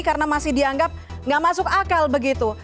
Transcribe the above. karena masih dianggap nggak masuk akal begitu